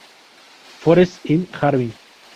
Forest Inst., Harbin"